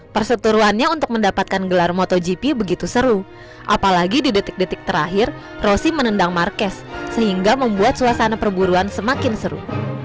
perseturuannya untuk mendapatkan gelar motogp begitu seru apalagi di detik detik terakhir rosi menendang marquez sehingga membuat suasana perburuan semakin seru